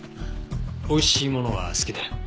美味しいものは好きだよ。